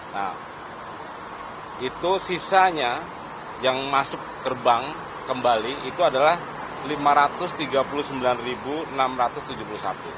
nah itu sisanya yang masuk gerbang kembali itu adalah rp lima ratus tiga puluh sembilan enam ratus tujuh puluh satu